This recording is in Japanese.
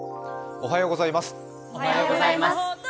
おはようございます。